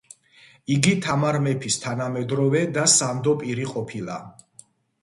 იგი თამარ მეფის თანამედროვე და სანდო პირი ყოფილა.